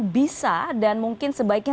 bisa dan mungkin sebaiknya